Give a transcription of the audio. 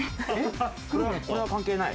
これは関係ない？